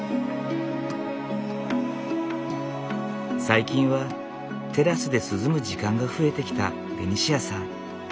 最近はテラスで涼む時間が増えてきたベニシアさん。